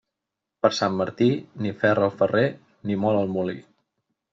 Per Sant Martí, ni ferra el ferrer ni mol el molí.